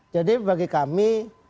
jadi bagi kami